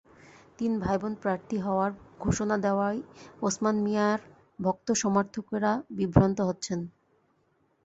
তিন ভাইবোন প্রার্থী হওয়ার ঘোষণা দেওয়ায় ওসমান মিয়ার ভক্ত-সমর্থকেরা বিভ্রান্ত হচ্ছেন।